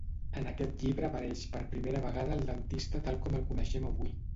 En aquest llibre apareix per primera vegada el dentista tal com el coneixem avui.